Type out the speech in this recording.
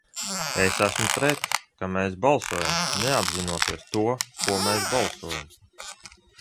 Es esmu pret, ka mēs balsojam, neapzinoties to, ko mēs balsojam.